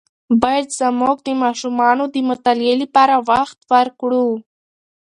باید زموږ د ماشومانو د مطالعې لپاره وخت ورکړو.